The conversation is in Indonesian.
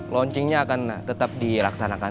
launchingnya akan tetap dilaksanakan